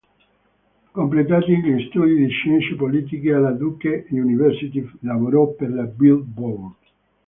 Completati gli studi di scienze politiche alla Duke University, lavorò per la Billboard.